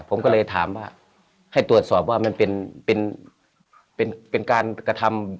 ผมก็เลยถามว่าให้ตรวจสอบว่ามันเป็นเป็นการกระทำ